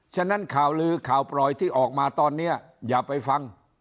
ฉะนั้นข่าวลือข่าวปล่อยที่ออกมาตอนนี้อย่าไปฟัง